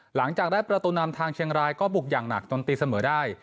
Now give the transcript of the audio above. หลังจากได้ประตูนำทางเชียงรายก็บุกอย่างหนักจนตีเสมอได้